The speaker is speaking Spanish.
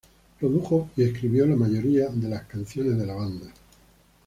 Produjo y escribió la mayoría de canciones de la banda.